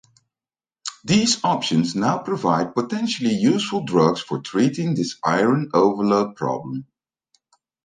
These options now provide potentially useful drugs for treating this iron overload problem.